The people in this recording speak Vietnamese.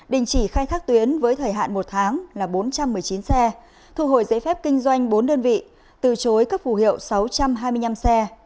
đình chỉ khai thác tuyến với thời hạn một tháng là bốn trăm một mươi chín xe thu hồi giấy phép kinh doanh bốn đơn vị từ chối cấp phù hiệu sáu trăm hai mươi năm xe